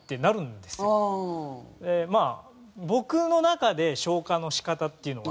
まあ僕の中で消化の仕方っていうのが。